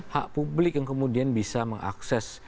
hak publik yang kemudian bisa mengakses